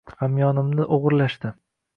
Hamyonimni o’g’irlashdi.